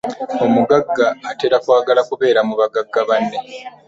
Omugagga atera kwagala kubeera mu bagagga banne.